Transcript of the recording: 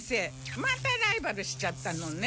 またライバルしちゃったのね。